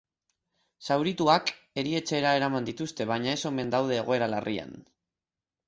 Zaurituak erietxera eraman dituzte, baina ez omen daude egoera larrian.